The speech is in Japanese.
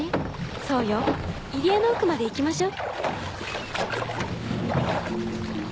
そうよ入り江の奥まで行きましょう。